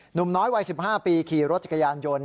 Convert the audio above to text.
หนุ่มน้อยวัย๑๕ปีขี่รถจักรยานยนต์